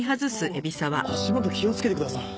足元気をつけてください。